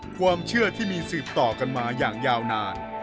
ความเชื่อที่มีสืบต่อกันมาอย่างยาวนาน